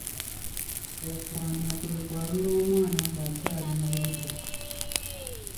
Okwamya kwe kwalula omwana nga akyali mu lubuto.